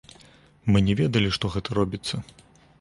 Мы не ведалі, што гэта робіцца.